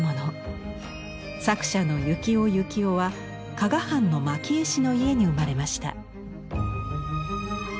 作者の由木尾雪雄は加賀藩の蒔絵師の家に生まれました。